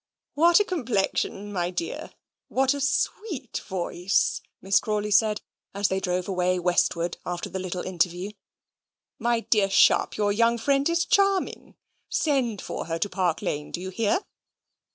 "What a complexion, my dear! What a sweet voice!" Miss Crawley said, as they drove away westward after the little interview. "My dear Sharp, your young friend is charming. Send for her to Park Lane, do you hear?"